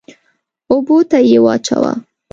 اوبو ته يې واچوه.